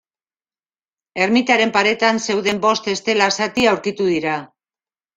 Ermitaren paretan zeuden bost estela zati aurkitu dira.